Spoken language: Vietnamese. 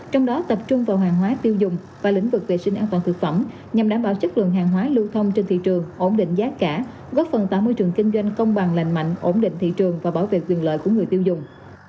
trong đó tập trung vào hàng hóa tiêu dùng và lĩnh vực vệ sinh an toàn thực phẩm nhằm đảm bảo chất lượng hàng hóa lưu thông trên thị trường ổn định giá cả góp phần tạo môi trường kinh doanh công bằng lành mạnh ổn định thị trường và bảo vệ quyền lợi của người tiêu dùng